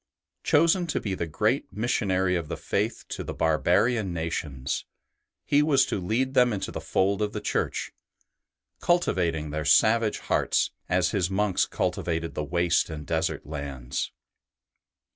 Chosen to be the great missionary of the Faith to the barbarian nations, he was to lead them into the fold of the Church, cultivating their savage hearts as his monks cultivated the waste and desert lands.